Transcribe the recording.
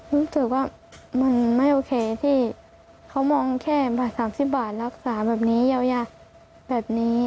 รู้สึกว่ามันไม่โอเคที่เขามองแค่บาท๓๐บาทรักษาแบบนี้ยาวแบบนี้